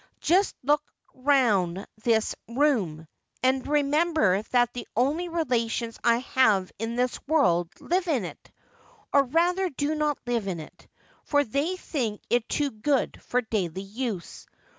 Just look round this room, and remember that the only relations I have in the world live in it ; or rather do not live in it, for they think it too good for daily use.